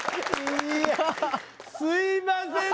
いやすいません